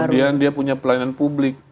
kemudian dia punya pelayanan publik